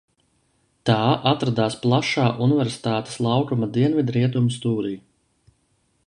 Tā atradās plašā Universitātes laukuma dienvidrietumu stūrī.